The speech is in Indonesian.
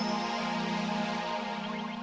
kau bisa jaga diri